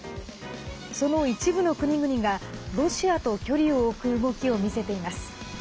その一部の国々が、ロシアと距離を置く動きを見せています。